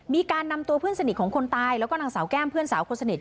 มีการนำตัวเพื่อนสนิทของคนตายแล้วก็นางสาวแก้มเพื่อนสาวคนสนิท